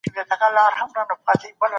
ماشوم له نورو لږ نه زده کوي.